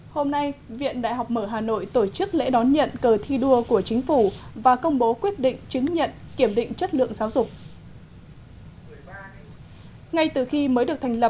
hôm nay viện đại học mở hà nội tổ chức lễ đón nhận cờ thi đua của chính phủ và công bố quyết định chứng minh